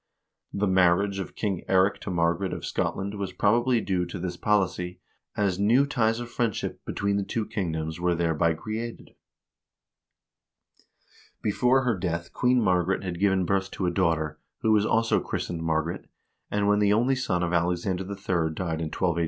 The marriage of King Eirik to Mar garet of Scotland was probably due to this policy, as new ties of friendship between the two kingdoms wen thereby created. Before her death Queen Margaret had given birth to a daughter, who was also christened Margaret, and when the only son of Alexander III. died in L28 1.